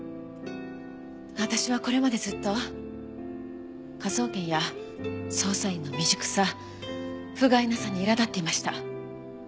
私はこれまでずっと科捜研や捜査員の未熟さふがいなさにいら立っていました。